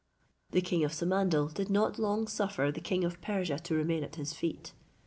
The king of Samandal did not long suffer the king of Persia to remain at his feet.